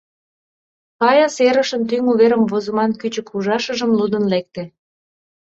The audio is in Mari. Фая серышын тӱҥ уверым возыман кӱчык ужашыжым лудын лекте.